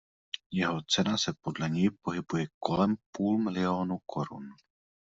Jeho cena se podle něj pohybuje kolem půl miliónu korun.